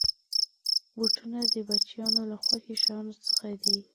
بوټونه د بچیانو له خوښې شيانو څخه دي.